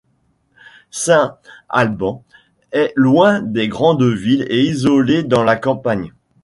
Saint-Alban est loin des grandes villes et isolé dans la campagne.